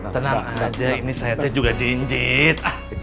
tenang aja ini sayatnya juga jinjit